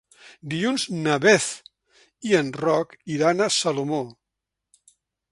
Dilluns na Beth i en Roc iran a Salomó.